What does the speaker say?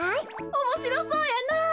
おもしろそうやなあ。